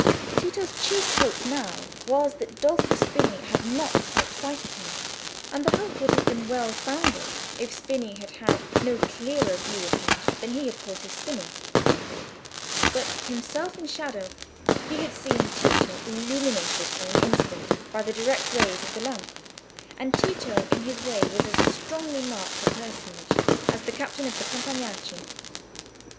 Tito's chief hope now was that Dolfo Spini had not caught sight of him, and the hope would have been well founded if Spini had had no clearer view of him than he had caught of Spini. But, himself in shadow, he had seen Tito illuminated for an instant by the direct rays of the lamp, and Tito in his way was as strongly marked a personage as the captain of the Compagnacci.